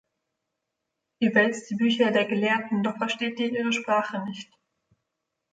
Ihr wälzt die Bücher der Gelehrten, doch versteht ihre Sprache nicht.